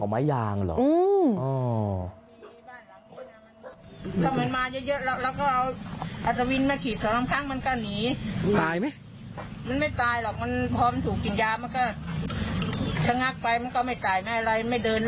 มันชอบเปลี่ยนของไม้ยางเหรอ